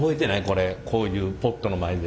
これこういうポットの前で。